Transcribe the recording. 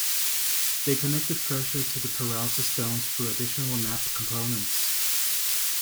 They connect the treasure to the Peralta Stones through additional map components.